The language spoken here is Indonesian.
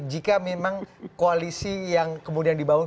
jika memang koalisi yang kemudian dibangun